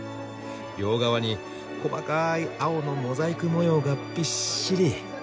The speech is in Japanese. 両側に細かい青のモザイク模様がビッシリ。